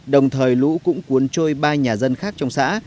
đồng thời lũ cũng cuốn trôi ba nhà dân khác trong xã